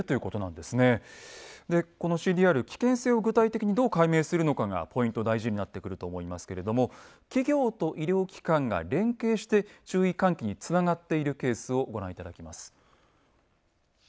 でこのＣＤＲ危険性を具体的にどう解明するのかがポイント大事になってくると思いますけれども企業と医療機関が連携して注意喚起につながっているケースをご覧いただきます。